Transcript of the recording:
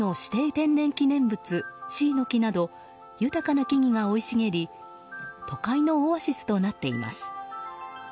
天然記念物シイの木など豊かな木々が生い茂り都会のオアシスとなっています。